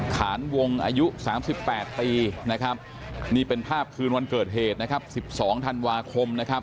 ขานวงอายุ๓๘ปีเป็นภาพคืนวันเกิดเหตุ๑๒ธันวาคม